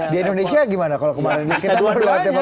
di indonesia gimana kalau kemarin kita melihatnya